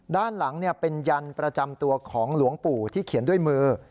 ด้านหลังเป็นยันประจำตัวของหลวงปู่ที่เขียนด้วยมือ